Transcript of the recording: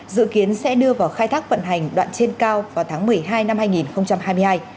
dự kiến sẽ đưa vào khai thác vận hành đoạn trên cao vào tháng một mươi hai năm hai nghìn hai mươi hai